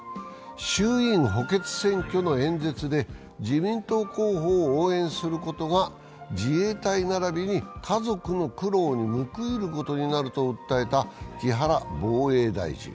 衆議院の補欠選挙の演説で自民党候補を応援することが自衛隊並びに家族の苦労に報いることになると訴えた木原防衛大臣。